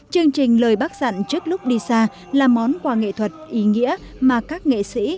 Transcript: chương trình lời bác dặn trước lúc đi xa là món quà nghệ thuật ý nghĩa mà các nghệ sĩ